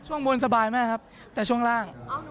ช่วงบนสบายมากครับแต่ช่วงล่าง